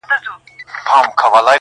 خدای راکړې هره ورځ تازه هوا وه.!